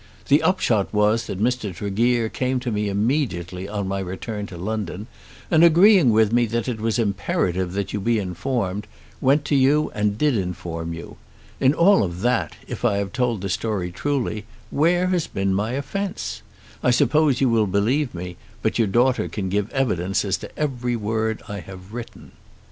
The upshot was that Mr. Tregear came to me immediately on my return to London, and agreeing with me that it was imperative that you be informed, went to you and did inform you. In all of that, if I have told the story truly, where has been my offence? I suppose you will believe me, but your daughter can give evidence as to every word that I have written.